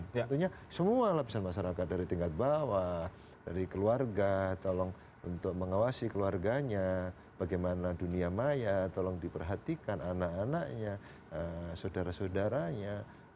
tentunya semua lapisan masyarakat dari tingkat bawah dari keluarga tolong untuk mengawasi keluarganya bagaimana dunia maya tolong diperhatikan anak anaknya saudara saudaranya